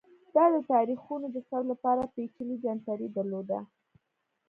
دا د تاریخونو د ثبت لپاره پېچلی جنتري درلوده